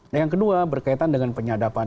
nah yang kedua berkaitan dengan penyadapan